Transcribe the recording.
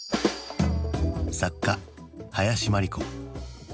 作家林真理子。